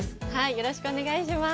よろしくお願いします。